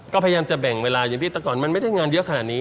ก็พยายามจะแบ่งเวลาอย่างที่แต่ก่อนมันไม่ได้งานเยอะขนาดนี้